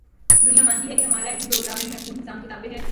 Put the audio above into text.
دنیا مانتی ہے کہ ہمارا ایٹمی پروگرام ایک محفوظ نظام کے تابع ہے۔